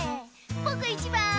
ぼくいちばん！